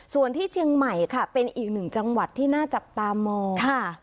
ส่วนที่เชียงใหม่ค่ะเป็นอีกหนึ่งจังหวัดที่น่าจับตามองค่ะ